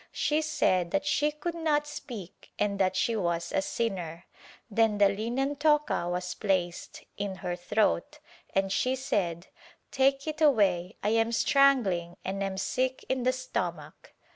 She said that she could not speak and that she was a sinner. Then the linen toca was placed [in her throat] and she said "Take it away, I am strangling and am sick in the stomach."